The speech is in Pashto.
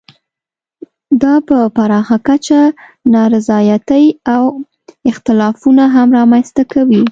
دا په پراخه کچه نا رضایتۍ او اختلافونه هم رامنځته کوي.